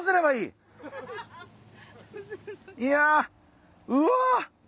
いやうわ！